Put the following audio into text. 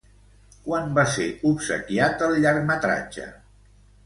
Quan va ser obsequiat el llargmetratge?